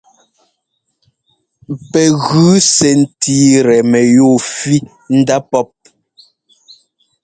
Pɛ gʉ sɛ́ ńtíꞌtɛ mɛyúu fí ndá pɔ́p.